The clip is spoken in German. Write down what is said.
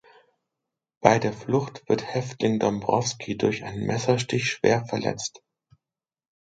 Bei der Flucht wird Häftling Dombrowski durch einen Messerstich schwer verletzt.